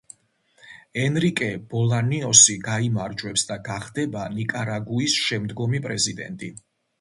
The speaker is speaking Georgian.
ენრიკე ბოლანიოსი გაიმარჯვებს და გახდება ნიკარაგუის შემდგომი პრეზიდენტი.